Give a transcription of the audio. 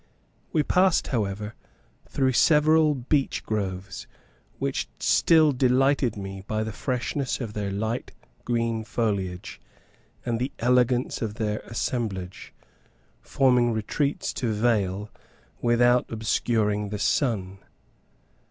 We passed, however, through several beech groves, which still delighted me by the freshness of their light green foliage, and the elegance of their assemblage, forming retreats to veil without obscuring the sun.